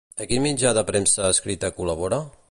A quin mitjà de premsa escrita col·labora?